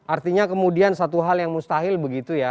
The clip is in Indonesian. artinya kemudian satu hal yang mustahil begitu ya